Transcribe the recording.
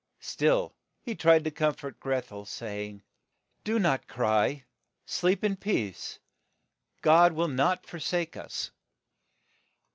Still he tried to corn fort Greth el, say ing, Do not cry ; sleep in peace ; God will not for sake us."